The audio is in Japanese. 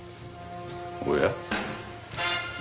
おや？